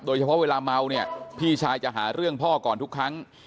เวลาเมาเนี่ยพี่ชายจะหาเรื่องพ่อก่อนทุกครั้ง